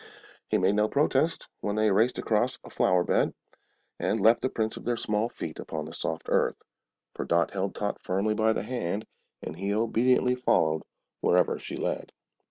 He made no protest when they raced across a flower bed and left the prints of their small feet upon the soft earth, for Dot held Tot firmly by the hand, and he obediently followed wherever she led.